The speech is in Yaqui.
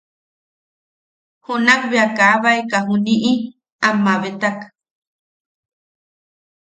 Junak bea kaabaeka juniʼi am mabetak.